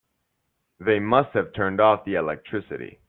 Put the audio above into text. They must have turned off the electricity.